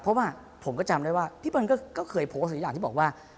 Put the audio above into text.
เพราะว่าผมก็จำได้ว่าพี่เปิ้ลก็เคยโพสต์หลายอย่างที่บอกว่า